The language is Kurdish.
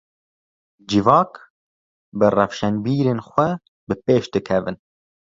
Civak, bi rewşenbîrên xwe bipêş dikevin